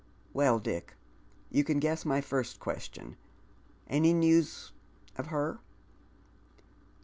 Well, Dick, you can guess my first question. Any news — of her